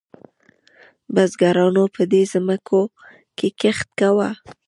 بزګرانو به په دې ځمکو کې کښت کاوه.